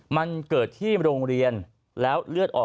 มันเกิดที่โรงเรียนแล้วเลือดออก